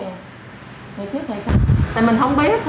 tại mình không biết